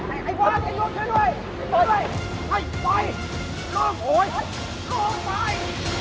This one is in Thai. ไอ่วางอย่ายกเชื่อด้วย